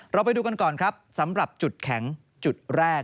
ไปดูกันก่อนครับสำหรับจุดแข็งจุดแรก